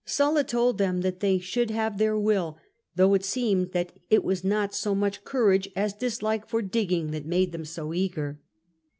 Sulla told them that they should have their will, though it seemed that it was not so much courage as dislike for digging that made them so eager."